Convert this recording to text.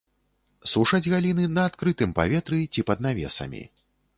Сушаць галіны на адкрытым паветры ці пад навесамі.